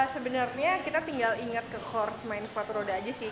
sebenarnya kita tinggal ingat ke horse main sepatu roda aja sih